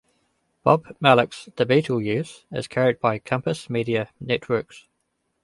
Bob Malik's "The Beatle Years" is carried by Compass Media Networks.